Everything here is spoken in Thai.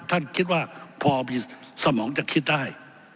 ท่านคิดว่าพอมีสมองจะคิดได้